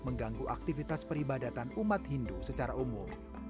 mengganggu aktivitas peribadatan umat hindu secara umum